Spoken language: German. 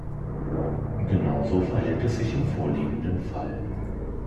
Genauso verhält es sich im vorliegenden Fall.